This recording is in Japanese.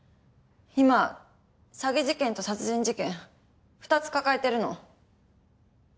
今詐欺事件と殺人事件二つ抱えてるの。